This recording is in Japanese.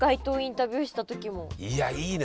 いやいいね。